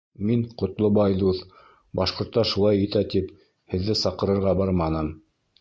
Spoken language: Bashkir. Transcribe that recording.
— Мин, Ҡотлобай дуҫ, башҡорттар шулай итә тип, һеҙҙе саҡырырға барманым.